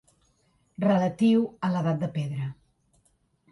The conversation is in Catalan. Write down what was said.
Relatiu a l'edat de pedra.